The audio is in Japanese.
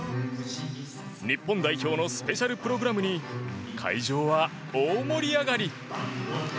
日本代表のスペシャルプログラムに会場は大盛り上がり。